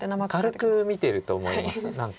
軽く見てると思います何か。